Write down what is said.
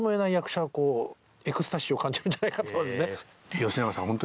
吉永さん